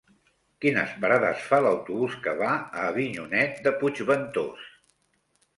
Quines parades fa l'autobús que va a Avinyonet de Puigventós?